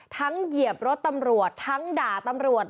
เหยียบรถตำรวจทั้งด่าตำรวจ